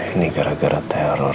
ini gara gara teror